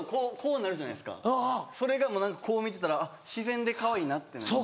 それがこう見てたら自然でかわいいなってなります。